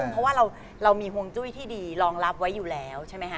เพราะว่าเรามีห่วงจุ้ยที่ดีรองรับไว้อยู่แล้วใช่ไหมคะ